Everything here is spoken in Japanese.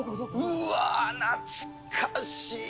うわー、懐かしい。